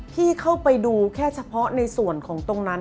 เข้าไปดูแค่เฉพาะในส่วนของตรงนั้น